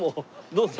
どうぞ。